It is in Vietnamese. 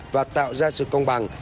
và tạo ra sự công bằng